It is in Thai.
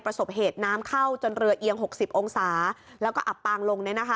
ประสบเหตุน้ำเข้าจนเรือเอียง๖๐องศาแล้วก็อับปางลง